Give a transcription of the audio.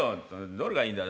どれがいいんだ？